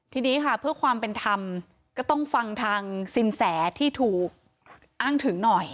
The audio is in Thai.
ทีนี้ค่ะเพื่อความเป็นธรรมก็ต้องฟังทางสินแสที่ถูกอ้างถึงหน่อย